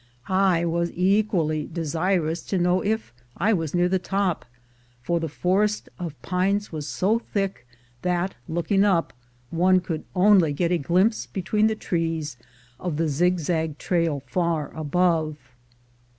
A BAND OF WANDERERS 243 I was equally desirous to know if I was near the top, for the forest of pines was so thick, that, looking up, one could only get a glimpse between the trees of the zigzag trail far above.